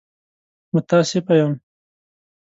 متاسفه يم!